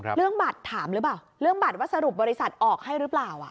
เรื่องบัตรถามหรือเปล่าเรื่องบัตรว่าสรุปบริษัทออกให้หรือเปล่า